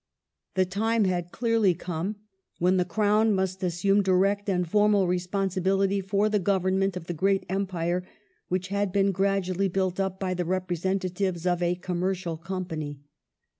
Crown The time had clearly come when the Crown must assume direct and formal responsibility for the government of the great Empire which had been gradually built up by the representatives of a commercial Company.